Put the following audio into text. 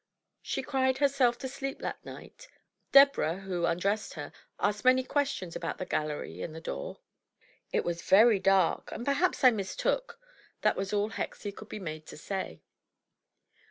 She cried herself to sleep that night. Deborah, who undressed her, asked many questions about the gallery and the door. "It was very dark, and perhaps I mistook,"— that was all Hexie could be made to say.